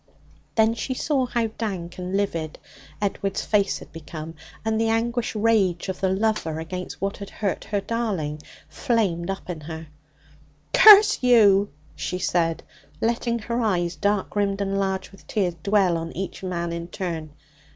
Then she saw how dank and livid Edward's face had become, and the anguished rage of the lover against what had hurt her darling flamed up in her. 'Curse you!' she said, letting her eyes, dark rimmed and large with tears, dwell on each man in turn.